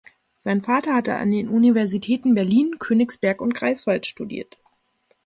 Sein Vater hatte an den Universitäten Berlin, Königsberg und Greifswald studiert.